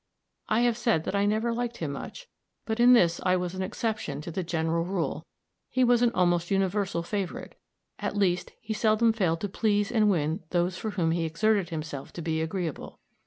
I have said that I never liked him much; but in this I was an exception to the general rule. He was an almost universal favorite. At least, he seldom failed to please and win those for whom he exerted himself to be agreeable.